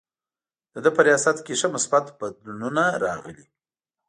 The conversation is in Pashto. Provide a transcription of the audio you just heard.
د ده په ریاست کې ښه مثبت بدلونونه راغلي.